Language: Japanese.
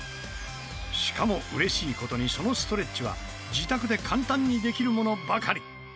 しかもうれしい事にそのストレッチは自宅で簡単にできるものばかり。